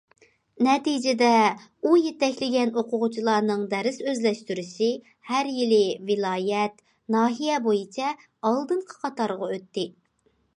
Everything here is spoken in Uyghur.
نەتىجىدە ئۇ يېتەكلىگەن ئوقۇغۇچىلارنىڭ دەرس ئۆزلەشتۈرۈشى ھەر يىلى ۋىلايەت، ناھىيە بويىچە ئالدىنقى قاتارغا ئۆتتى.